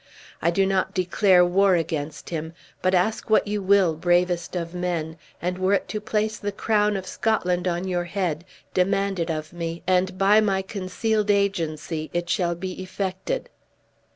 I do not declare war against him, but ask what you will, bravest of men, and were it to place the crown of Scotland on your head, demand it of me, and by my concealed agency it shall be effected."